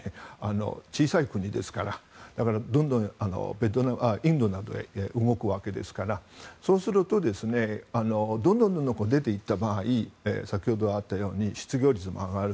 小さい国ですから、どんどんインドなんかが動くわけですから、そうするとどんどん出ていった場合先ほどあったように失業率が上がる。